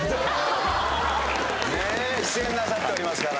出演なさっておりますから。